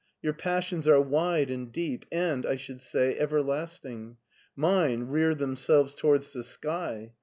Your passions are wide and deep and, I should say, everlasting. Mine rear them selves towards the sky.